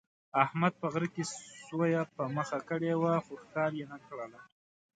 احمد په غره کې سویه په مخه کړې وه، خو ښکار یې نه کړله.